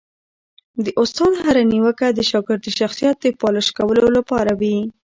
د استاد هره نیوکه د شاګرد د شخصیت د پالش کولو لپاره وي.